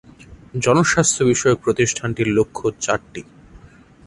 জনস্বাস্থ্য বিষয়ক প্রতিষ্ঠানটির লক্ষ্য চারটি।